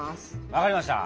わかりました！